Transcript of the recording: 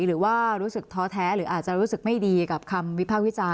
หรือว่ารู้สึกท้อแท้หรืออาจจะรู้สึกไม่ดีกับคำวิภาควิจารณ